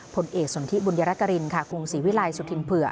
ผลเอกส่วนที่บุญรัฐกรินค่ะคุณศรีวิลัยสุธิงเผื่อ